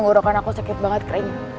ngorokan aku sakit banget kering